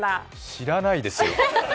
知らないですよ。